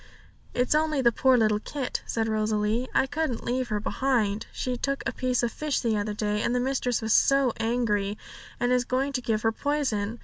'It's only the poor little kit,' said Rosalie; 'I couldn't leave her behind. She took a piece of fish the other day, and the mistress was so angry, and is going to give her poison.